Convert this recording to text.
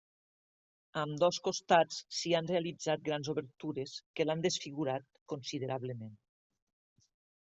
A ambdós costats s'hi han realitzat grans obertures que l'han desfigurat considerablement.